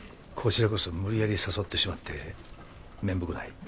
こちらこそ無理やり誘ってしまって面目ない。